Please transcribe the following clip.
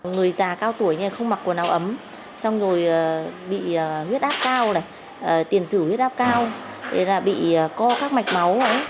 người già cao tuổi không mặc quần áo ấm xong rồi bị huyết áp cao tiền xử huyết áp cao bị co các mạch máu